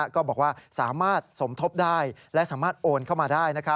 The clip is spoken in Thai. ก็บอกว่าสามารถสมทบได้และสามารถโอนเข้ามาได้